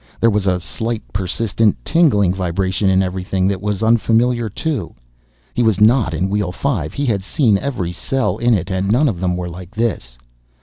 There was a slight, persistent tingling vibration in everything that was unfamiliar, too. He was not in Wheel Five. He had seen every cell in it and none of them were like this.